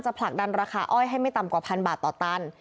ผลักดันราคาอ้อยให้ไม่ต่ำกว่าพันบาทต่อตัน